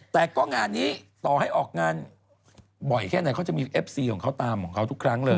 แต่ก็งานนี้ต่อให้ออกงานบ่อยแค่ไหนเขาจะมีเอฟซีของเขาตามของเขาทุกครั้งเลย